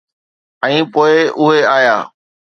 ۽ پوء اهي آيا.